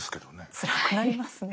つらくなりますね。